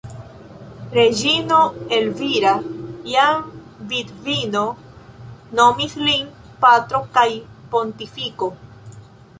Reĝino Elvira, jam vidvino, nomis lin "patro kaj pontifiko".